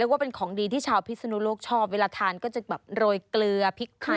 ว่าเป็นของดีที่ชาวพิศนุโลกชอบเวลาทานก็จะแบบโรยเกลือพริกไทย